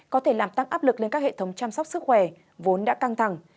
có thể làm tăng áp lực lên các hệ thống chăm sóc sức khỏe vốn đã căng thẳng